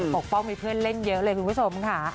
กป้องมีเพื่อนเล่นเยอะเลยคุณผู้ชมค่ะ